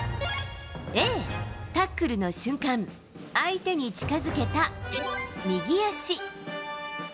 Ａ、タックルの瞬間、相手に近づけた右脚。